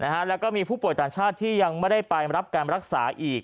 แหละมีบ่อยต่างชาติไม่ได้รับรักษาแล้ว